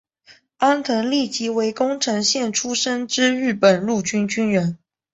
安藤利吉为宫城县出身之日本陆军军人。